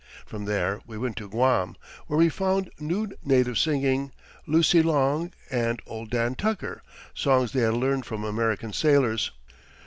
From there we went to Guam, where we found nude natives singing 'Lucy Long' and 'Old Dan Tucker,' songs they had learned from American sailors.